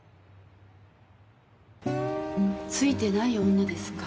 ツイてない女ですか。